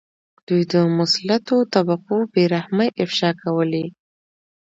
دوی د مسلطو طبقو بې رحمۍ افشا کولې.